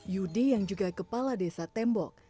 yudi yang juga kepala desa tembok